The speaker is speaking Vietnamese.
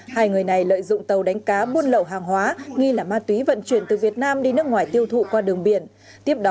hai người này lợi dụng tàu đánh cá buôn lậu hàng hóa nghi là ma túy vận chuyển từ việt nam